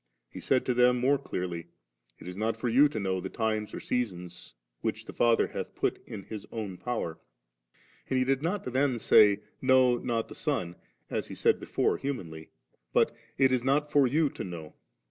He said to them more clearly, ' It is not for you to know the times or the seasons which the Father hath put in His own power*.' And He did not then say, * No, hot the Son,' as He said before humanly, bu^ *It is not for you to know.'